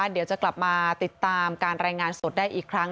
เดี๋ยวจะกลับมาติดตามการรายงานสดได้อีกครั้ง